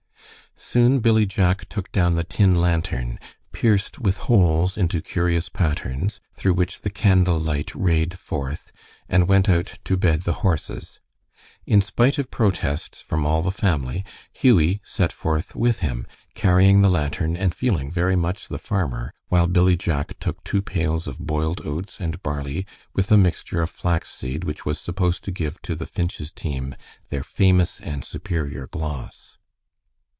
Soon Billy Jack took down the tin lantern, pierced with holes into curious patterns, through which the candle light rayed forth, and went out to bed the horses. In spite of protests from all the family, Hughie set forth with him, carrying the lantern and feeling very much the farmer, while Billy Jack took two pails of boiled oats and barley, with a mixture of flax seed, which was supposed to give to the Finch's team their famous and superior gloss.